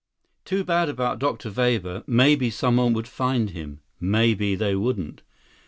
Too bad about Dr. Weber. Maybe someone would find him, maybe they wouldn't.